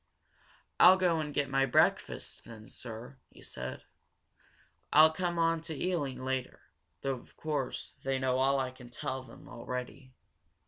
"I'll go and get my breakfast, then, sir," he said. "I'll come on to Ealing later. Though, of course, they know all I can tell them already."